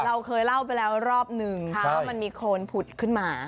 เราเคยเล่าไปแล้วรอบนึงว่ามันมีโคนผุดขึ้นมา